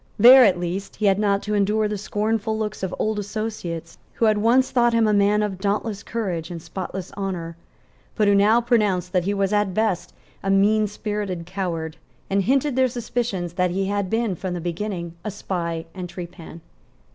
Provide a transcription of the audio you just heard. There, at least, he had not to endure the scornful looks of old associates who had once thought him a man of dauntless courage and spotless honour, but who now pronounced that he was at best a meanspirited coward, and hinted their suspicions that he had been from the beginning a spy and a trepan.